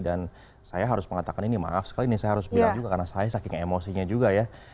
dan saya harus mengatakan ini maaf sekali nih saya harus bilang juga karena saya saking emosinya juga ya